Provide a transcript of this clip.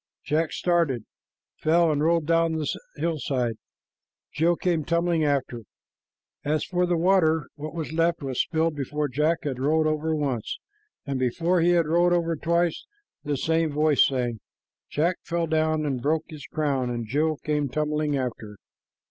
Jack started, fell, and rolled down the hillside, and Jill came tumbling after. As for the water, what was left was spilled before Jack had rolled over once; and before he had rolled over twice, the same voice sang, "Jack fell down And broke his crown, And Jill came tumbling after."